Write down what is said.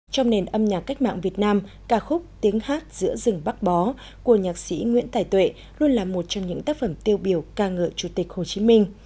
trong nền âm nhạc cách mạng việt nam ca khúc tiếng hát giữa rừng bắc bó của nhạc sĩ nguyễn tài tuệ luôn là một trong những tác phẩm tiêu biểu ca ngợi chủ tịch hồ chí minh